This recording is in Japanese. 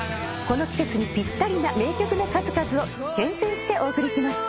この季節にぴったりな名曲の数々を厳選してお送りします。